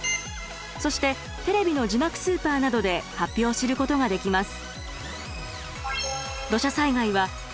そしてテレビの字幕スーパーなどで発表を知ることができます。